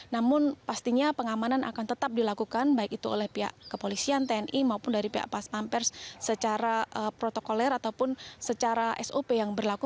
namun pastinya pengamanan akan tetap dilakukan baik itu oleh pihak kepolisian tni maupun dari pihak pas pampers secara protokoler ataupun secara sop yang berlaku